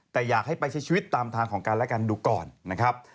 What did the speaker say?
แต่อยากให้ไปใช้ชีวิตตามทางของกันและกันดูก่อนนะครับ